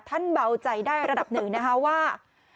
ท่านเบาใจได้ระดับ๑ว่า